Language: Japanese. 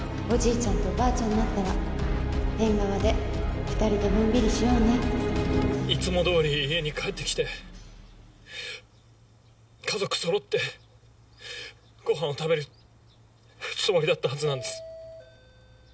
ちゃんとおばあちゃんになったら縁側で２人でのんびりしようねいつも通り家に帰って来て家族そろってごはんを食べるつもりだったはずなんです。